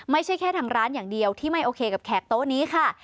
ไม่ใช่แค่ทางร้านอย่างเดียวที่ไม่โอเคกับแขกโต๊ะนี้ค่ะ